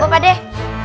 kok pak deh